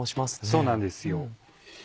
そうなんですよ。